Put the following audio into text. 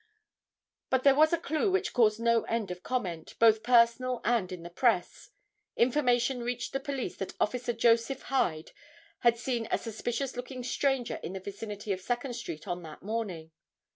But there was a clue which caused no end of comment, both personal and in the press. Information reached the police that Officer Joseph Hyde had seen a suspicious looking stranger in the vicinity of Second street on that morning.